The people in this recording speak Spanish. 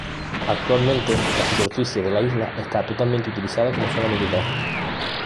Actualmente la superficie de la isla está totalmente utilizada como zona militar.